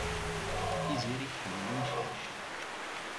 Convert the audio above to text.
Tiziri tḥemmel imcac.